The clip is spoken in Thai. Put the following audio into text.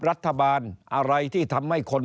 รัฐบาลอะไรที่ทำให้คน